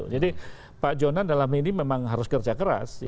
jadi pak jonan dalam ini memang harus kerja keras